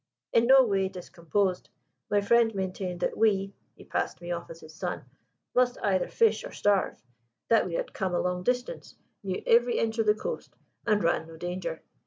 In no way discomposed, my friend maintained that we (he passed me off as his son) must either fish or starve; that we had come a long distance, knew every inch of the coast, and ran no danger.